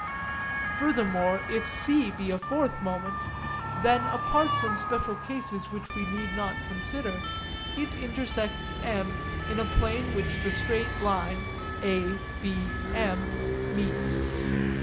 Furthermore if C be a fourth moment, then apart from special cases which we need not consider, it intersects M in a plane which the straight line (A, B, M) meets.